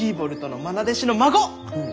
うん。